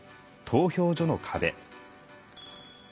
投票所の壁。